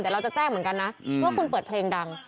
แต่เราจะแจ้งเหมือนกันนะว่าคุณเปิดเพลงดัง